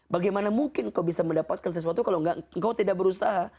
bagaimana mungkin kau bisa mendapatkan sesuatu kalau engkau tidak berusaha